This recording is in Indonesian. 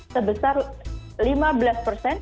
sebesar lima belas tahun